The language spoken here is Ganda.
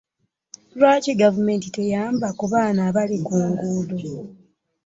Lwaki gavumenti teyamba ku baana abali ku nguudo?